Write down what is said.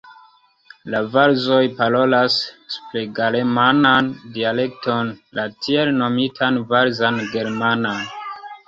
La valzoj parolas supregalemanan dialekton, la tiel nomitan valzan germanan.